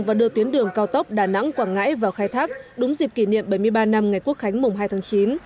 và đưa tuyến đường cao tốc đà nẵng quảng ngãi vào khai thác đúng dịp kỷ niệm bảy mươi ba năm ngày quốc khánh mùng hai tháng chín